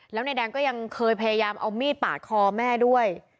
แล้วนายแดงก็ยังเคยพยายามเอามีดปาดคอแม่ด้วย